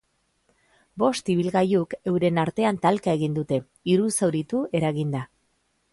Bost ibilgailuk euren artean talka egin dute, hiru zauritu eraginda.